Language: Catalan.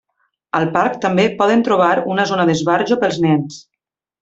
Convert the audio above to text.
Al parc també podem trobar una zona d'esbarjo pels nens.